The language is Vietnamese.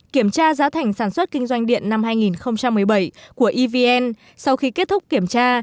kiểm tra giá thành sản xuất kinh doanh điện năm hai nghìn một mươi bảy của evn sau khi kết thúc kiểm tra